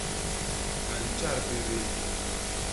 A ntjat pébéé.